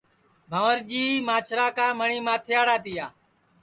بھنٚورجی مانٚچھرا کا مٹؔی ماتھیڑا تِیا